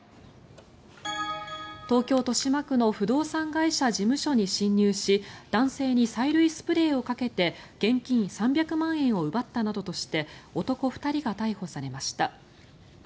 東京・豊島区の不動産会社事務所に侵入し男性に催涙スプレーをかけて現金３００万円を奪ったなどとして男２人が逮捕されました。